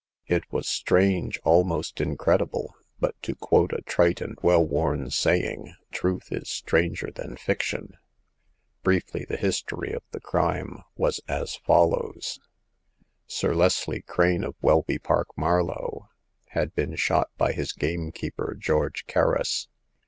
It was strange — almost incredible ; but, to quote a trite and well worn saying, Truth is stranger than fiction." Briefly, the history of the crime was as follows : Sir Leslie Crane, of Welby Park, Marlow, had The Eighth Customer. 1o^ been shot by his gamekeeper, George Kerris.